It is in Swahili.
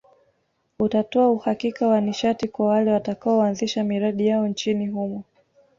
Utatoa uhakika wa nishati kwa wale watakaoanzisha miradi yao nchini humo